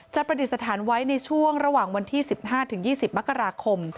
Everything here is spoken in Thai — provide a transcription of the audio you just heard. ประดิษฐานไว้ในช่วงระหว่างวันที่๑๕๒๐มกราคม